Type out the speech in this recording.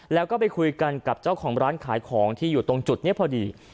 แล้วก็ไปคุยกันกับเจ้าของร้านขายของที่อยู่ตรงจุดนี้พอดี